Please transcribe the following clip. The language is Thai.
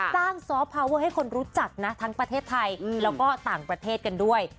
ซอฟต์พาวเวอร์ให้คนรู้จักนะทั้งประเทศไทยแล้วก็ต่างประเทศกันด้วย